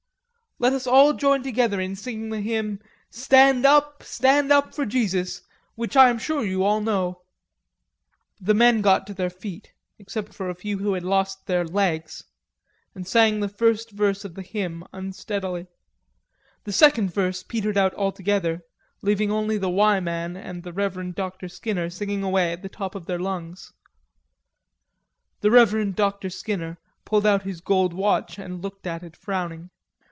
Let us all join together in singing the hymn, 'Stand up, stand up for Jesus,' which I am sure you all know." The men got to their feet, except for a few who had lost their legs, and sang the first verse of the hymn unsteadily. The second verse petered out altogether, leaving only the "Y" man and the Reverend Dr. Skinner singing away at the top of their lungs. The Reverend Dr. Skinner pulled out his gold watch and looked at it frowning.